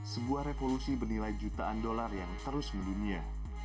sebuah revolusi bernilai jutaan dolar yang terus mendunia